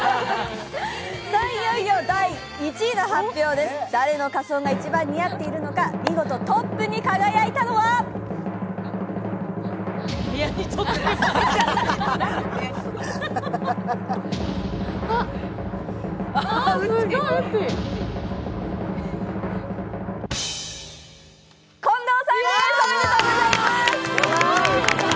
いよいよ第１位の発表です、誰の仮装が一番似合っているのか見事トップに輝いたのは近藤さんです、おめでとうございます！